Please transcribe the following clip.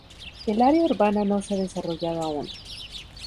El área urbana no se ha desarrollado aún.